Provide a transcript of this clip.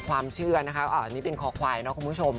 ความเชื่อนะคะอันนี้เป็นคอควายเนาะคุณผู้ชม